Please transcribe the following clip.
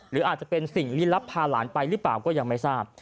หรืออาจจะเป็นสิ่งลี้ลับพาหลานไปหรือเปล่าก็ยังไม่ทราบ